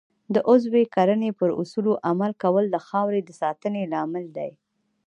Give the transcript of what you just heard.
د عضوي کرنې پر اصولو عمل کول د خاورې د ساتنې لامل دی.